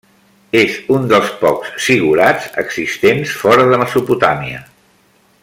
És un dels pocs zigurats existents fora de Mesopotàmia.